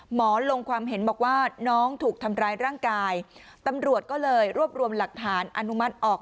ลงความเห็นบอกว่าน้องถูกทำร้ายร่างกายตำรวจก็เลยรวบรวมหลักฐานอนุมัติออก